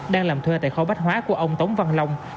đang làm thuê tại kho bách hóa của ông tống văn long